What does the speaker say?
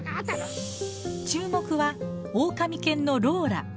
注目はオオカミ犬のローラ。